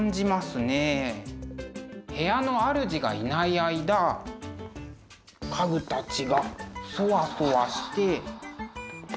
部屋のあるじがいない間家具たちがそわそわして。